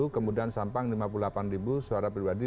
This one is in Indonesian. kemudian sampang rp lima puluh delapan suara pribadi rp lima puluh tujuh